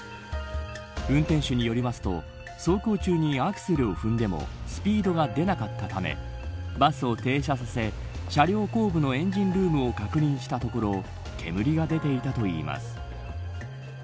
運転手によりますと走行中にアクセルを踏んでもスピードが出なかったためバスを停車させ車両後部のエンジンルームを確認したところ煙が出ていたといいます。